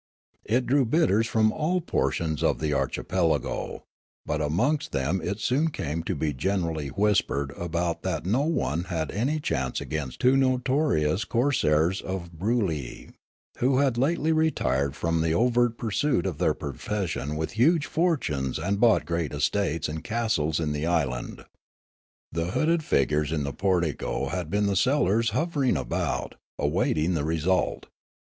It drew bidders from all portions of the archipelago ; but amongst them it soon came to be generally whispered about that no one had any chance against two notorious corsairs of Broolyi, who had lately retired from the overt pursuit of their profession with huge fortunes and bought great estates and castles in the island. The hooded figures in the portico had been the sellers hovering about, awaiting the result.